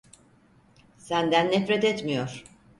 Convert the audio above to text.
Senden nefret etmiyor.